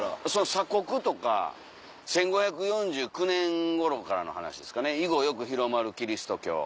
鎖国とか１５４９年ごろからの話ですかねイゴヨク広まるキリスト教。